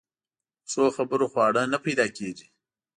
په ښو خبرو خواړه نه پیدا کېږي.